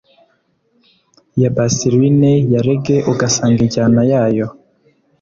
ya bassline ya reggae, ugasanga injyana yayo